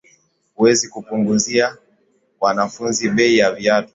Huwezi kupunguzia wanafunzi bei za viatu